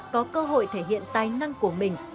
có cơ hội thể hiện tài năng của mình